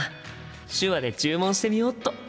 手話で注文してみよっと！